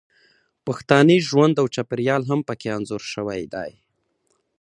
پښتني ژوند او چاپیریال هم پکې انځور شوی دی